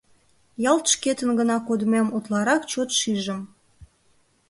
Ялт шкетын гына кодмем утларак чот шижым.